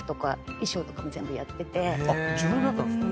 自分だったんですか？